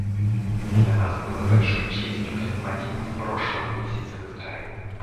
Для нас было большой честью принимать его в прошлом месяце в Израиле.